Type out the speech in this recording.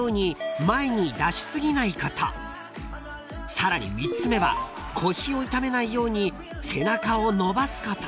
［さらに３つ目は腰を痛めないように背中を伸ばすこと］